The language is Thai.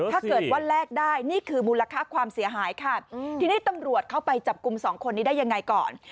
ถ้าเกิดว่าแลกได้นี่คือมูลค่าความเสียหายค่ะทีนี้ตำรวจเข้าไปจับกลุ่มสองคนนี้ได้ยังไงก่อน